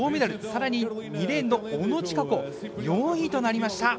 更に２レーンの小野智華子４位となりました。